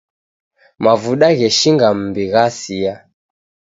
Mavuda gheshinga mumbi ghasia.